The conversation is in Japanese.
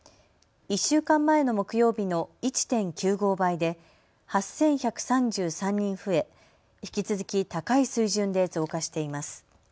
１週間前の木曜日の１．９５倍で８１３３人増え引き続き高い水準で増加しています。